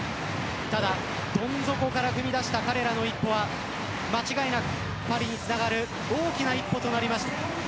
ただどん底からふみ出した彼らの一歩は間違いなくパリにつながる大きな一歩となります。